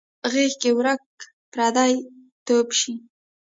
د بستر غیږ کې ورک پردی توب شي